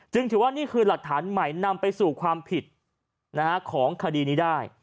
ถือว่านี่คือหลักฐานใหม่นำไปสู่ความผิดของคดีนี้ได้